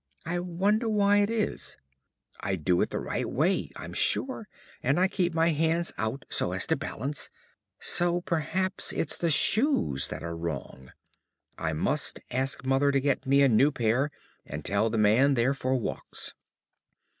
I wonder why it is. I do it the right way, I'm sure, and I keep my hands out so as to balance, so perhaps it's the shoes that are wrong. I must ask Mother to get me a new pair, and tell the man they're for walks.